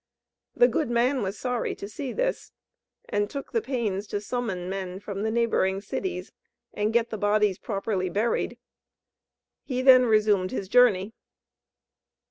The good man was sorry to see this, and took the pains to summon men from the neighbouring cities, and get the bodies properly buried. He then resumed his journey.